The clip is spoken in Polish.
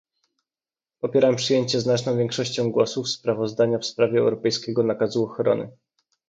Popieram przyjęcie znaczną większością głosów sprawozdania w sprawie europejskiego nakazu ochrony